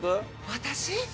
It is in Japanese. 私？